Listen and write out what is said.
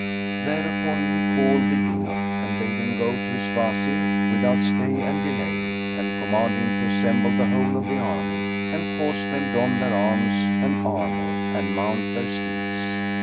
Thereupon he called the eunuch and bade him go to his Wazir without stay and delay and command him to assemble the whole of the army and cause them don their arms and armour and mount their steeds.